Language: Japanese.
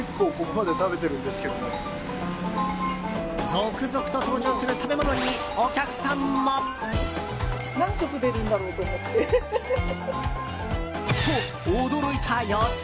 続々と登場する食べ物にお客さんも。と、驚いた様子。